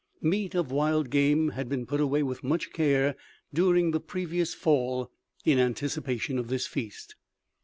Meat of wild game had been put away with much care during the previous fall in anticipation of this feast.